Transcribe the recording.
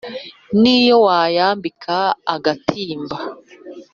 N' iyo wayambika agatimba